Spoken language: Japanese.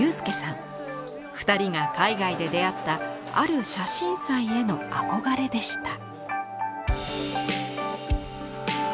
二人が海外で出会ったある写真祭への憧れでした。